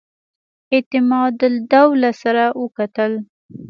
اعتمادالدوله سره وکتل.